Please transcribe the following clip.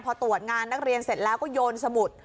พอตรวจงานนักเรียนเสร็จแล้วก็โยนสมุด